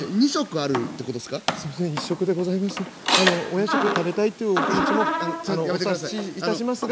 あのお夜食食べたいっていうお気持ちもお察しいたしますが」。